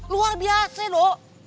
luar biasa do